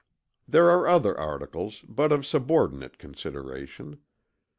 "There are other articles, but of subordinate consideration.